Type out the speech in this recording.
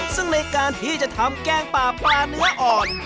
ซึ่งในการที่จะทำแกงป่าปลาปลาเนื้ออ่อน